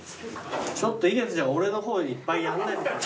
ちょっと井桁ちゃん俺の方にいっぱいやんないで。